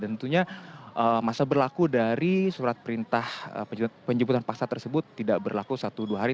dan tentunya masa berlaku dari surat perintah penjemputan paksa tersebut tidak berlaku satu dua hari